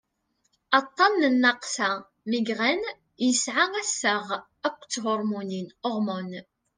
aṭṭan n nnaqsa migraine yesɛa assaɣ akked thurmunin hormones